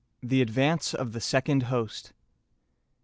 THE ADVANCE OF THE SECOND HOST.